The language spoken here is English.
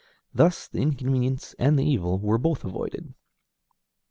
Thus the inconvenience and the evil were both avoided.